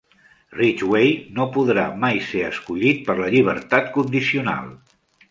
Ridgway no podrà mai ser escollit per la llibertat condicional.